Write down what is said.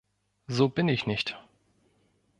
So bin ich nicht.